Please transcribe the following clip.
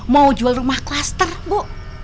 mau jual rumah klaster bu